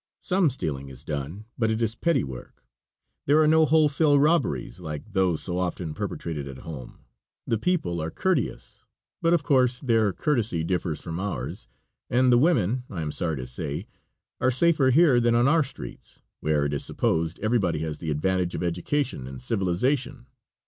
Some stealing is done, but it is petty work; there are no wholesale robberies like those so often perpetrated at home. The people are courteous, but of course their courtesy differs from ours, and the women I am sorry to say it are safer here than on our streets, where it is supposed everybody has the advantage of education and civilization.